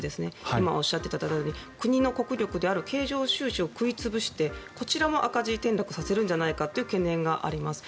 今おっしゃっていただいたように国の国力である経常収支を食い潰してこちらも赤字に転落させるんじゃないかという懸念があります。